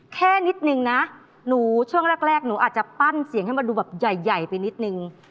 แค่นิดนึงนะหนูช่วงแรกหนูอาจจะปั้นเสียงให้มันดูแบบใหญ่ไปนิดนึง